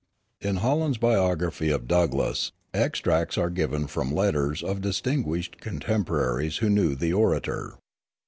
In Holland's biography of Douglass extracts are given from letters of distinguished contemporaries who knew the orator.